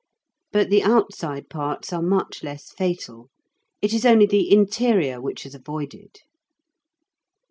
But the outside parts are much less fatal; it is only the interior which is avoided.